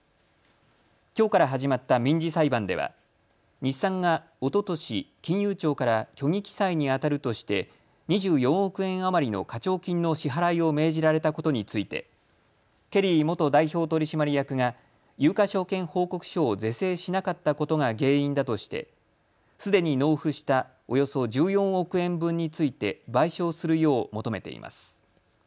きょうから始まった民事裁判では日産がおととし金融庁から虚偽記載にあたるとして２４億円余りの課徴金の支払いを命じられたことについてケリー元代表取締役が有価証券報告書を是正しなかったことが原因だとしてすでに納付したおよそ１４億円分について賠償するよう求めています。